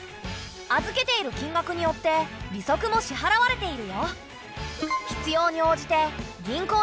預けている金額によって利息も支払われているよ。